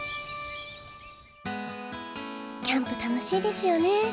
キャンプ楽しいですよね。